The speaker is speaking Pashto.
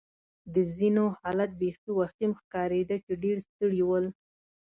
د ځینو حالت بېخي وخیم ښکارېده چې ډېر ستړي ول.